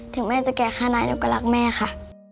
ถึงแม่จะแก่แค่ไหนหนูก็รักแม่ค่ะ